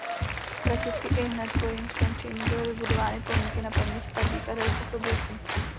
Prakticky ihned po jejím skončení byly budovány pomníky na paměť padlých a dalších obětí.